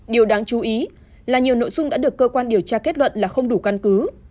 điều đáng chú ý là nhiều nội dung đã được cơ quan điều tra kết luận là không đủ căn cứ